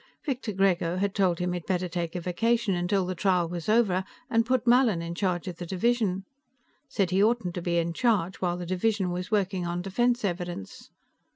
Victor Grego had told him he'd better take a vacation till the trial was over, and put Mallin in charge of the division. Said he oughtn't to be in charge while the division was working on defense evidence.